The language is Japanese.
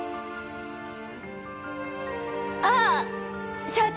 ああ社長